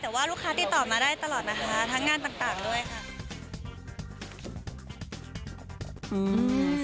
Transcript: แต่ว่าลูกค้าติดต่อมาได้ตลอดนะคะทั้งงานต่างด้วยค่ะ